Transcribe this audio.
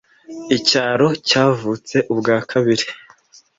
icyaro cyavutse ubwa kabiri